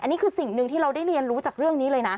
นี่คือสิ่งหนึ่งที่เราได้เรียนรู้จากเรื่องนี้เลยนะ